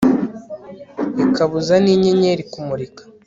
ikabuza n'inyenyeri kumurika